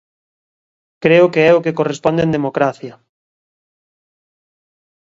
Creo que é o que corresponde en democracia.